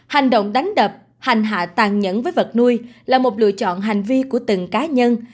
hành động đánh đập hành hạ tàn nhẫn với vật nuôi là một lựa chọn hành vi của từng cá nhân